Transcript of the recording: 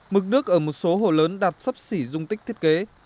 mực nước ở một số hồ lớn đạt sấp xỉ dung tích thiết kế